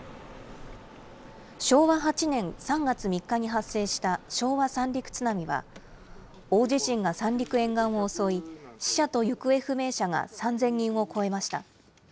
昭和８年３月３日に発生した昭和三陸津波は大地震が三陸沿岸を襲い、死者と行方不明者が３０００人を超えました。